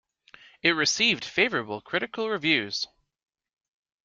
It received favorable critical reviews.